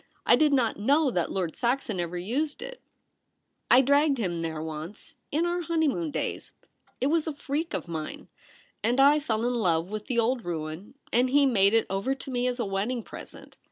I did not know that Lord Saxon ever used It/ ' I dragged him there once — In our honey moon days. It was a freak of mine — and I fell in love with the old ruin, and he made it over to me as a wedding present.